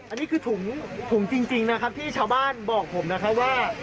อันนี้คือถุงถุงจริงนะครับที่ชาวบ้านบอกผมนะครับว่า